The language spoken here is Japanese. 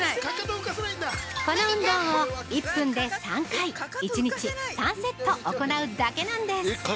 ◆この運動を１分で３回１日３セット行うだけなんです。